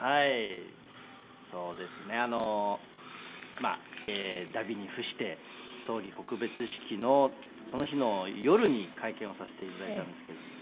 まあ荼毘に付して葬儀告別式のその日の夜に会見をさせて頂いたんですけど。